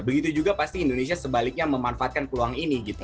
begitu juga pasti indonesia sebaliknya memanfaatkan peluang ini gitu